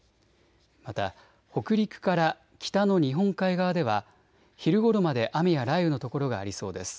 また北陸から北の日本海側では昼ごろまで雨や雷雨の所がありそうです。